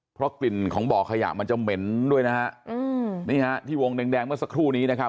เพราะกลิ่นของบ่อขยะมันจะเหม็นด้วยนะฮะอืมนี่ฮะที่วงแดงแดงเมื่อสักครู่นี้นะครับ